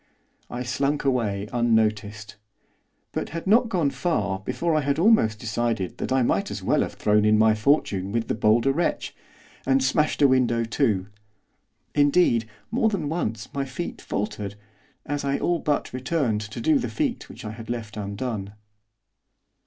I slunk away unnoticed. But had not gone far before I had almost decided that I might as well have thrown in my fortune with the bolder wretch, and smashed a window too. Indeed, more than once my feet faltered, as I all but returned to do the feat which I had left undone.